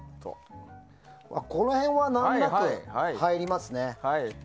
この辺は難なく入りますね。